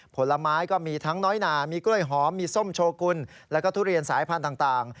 ผลไม้ก็มีทั้งน้อยหนามีกล้วยหอมมีส้มโชกุลแล้วก็ทุเรียนสายพันธุ์ต่าง